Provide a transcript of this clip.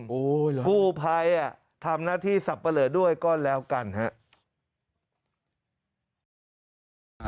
โอ้โหกู้ภัยทำหน้าที่สับปะเหลอด้วยก็แล้วกันฮะ